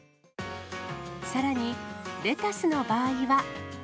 さらに、レタスの場合は。